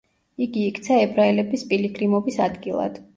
იგი იქცა ებრაელების პილიგრიმობის ადგილად.